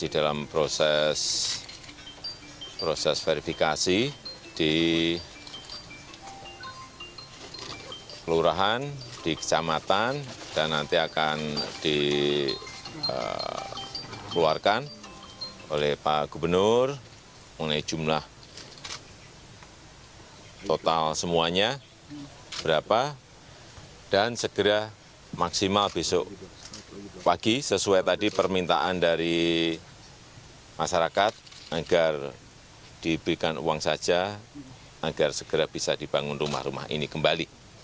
kelurahan di kecamatan dan nanti akan dikeluarkan oleh pak gubernur mengenai jumlah total semuanya berapa dan segera maksimal besok pagi sesuai tadi permintaan dari masyarakat agar diberikan uang saja agar segera bisa dibangun rumah rumah ini kembali